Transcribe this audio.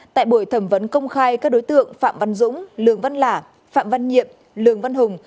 tại buổi thẩm vấn công khai các đối tượng phạm văn dũng lường văn lả phạm văn nhiệm lường văn hùng